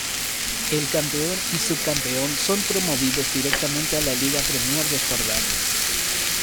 El campeón y subcampeón son promovidos directamente a la Liga Premier de Jordania.